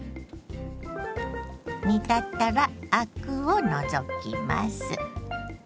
煮立ったらアクを除きます。